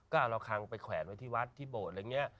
ก็เอาละคังไปแขวนไว้ที่วัดที่โบสถ์อะไรอย่างนี้